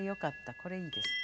これいいです。